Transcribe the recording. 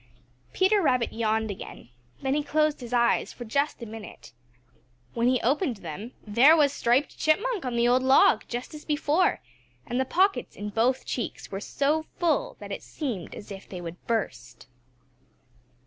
Peter Rabbit yawned again. Then he closed his eyes for just a minute. When he opened them there was Striped Chipmunk on the old log just as before, and the pockets in both cheeks were so full that it seemed as if they would burst.